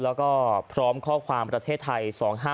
แล้วก็พร้อมข้อความประเทศไทย๒๕๖